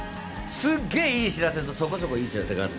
すっげえいい知らせとそこそこいい知らせがある。